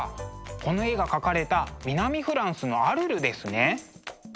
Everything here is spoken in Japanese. この絵が描かれた南フランスのアルルですね！